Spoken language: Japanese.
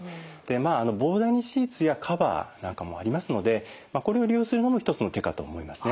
まあ防ダニシーツやカバーなんかもありますのでこれを利用するのも一つの手かと思いますね。